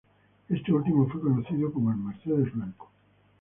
Este último fue conocido como el "Mercedes Blanco".